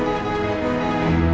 inilah lo dima